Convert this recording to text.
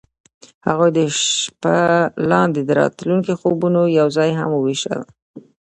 هغوی د شپه لاندې د راتلونکي خوبونه یوځای هم وویشل.